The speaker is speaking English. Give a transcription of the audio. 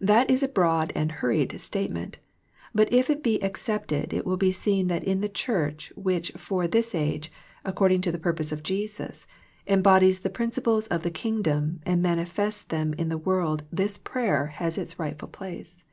That is a broad and hurried statement; but if it be ac cepted it will be seen that in the Church which for this age, according to the purpose of Jesus, embodies the principles of the Kingdom and manifests them in the world this prayer has its rightful place.